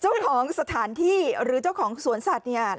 เจ้าของสถานที่หรือเจ้าของสวนสัตว์เนี่ย